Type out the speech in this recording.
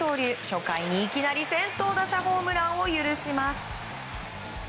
初回にいきなり先頭打者ホームランを許します。